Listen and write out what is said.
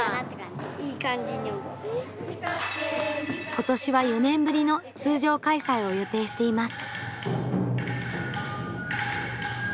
今年は４年ぶりの通常開催を予定しています。